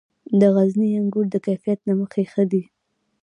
د غزني انګور د کیفیت له مخې ښه دي.